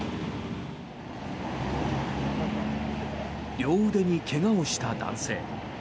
両腕に怪我をした男性。